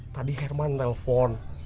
tadi herman telepon